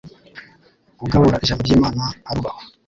ugabura ijambo ry'imana arubahwa